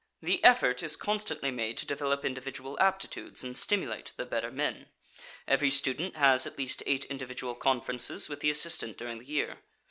The effort is constantly made to develop individual aptitudes and stimulate the better men. Every student has at least eight individual conferences with the assistant during the year.